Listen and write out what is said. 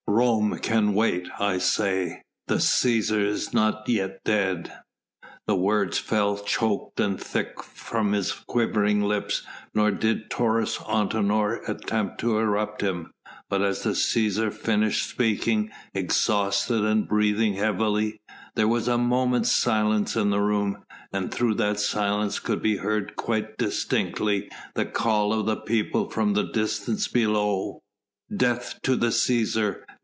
Rome can wait, I say: the Cæsar is not yet dead." The words fell choked and thick from his quivering lips, nor did Taurus Antinor attempt to interrupt him; but as the Cæsar finished speaking, exhausted and breathing heavily, there was a moment's silence in the room, and through that silence could be heard quite distinctly the call of the people from the distance below. "Death to the Cæsar!